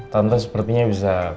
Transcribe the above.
tante sepertinya bisa